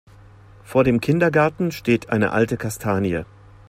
Vor dem Kindergarten steht eine alte Kastanie.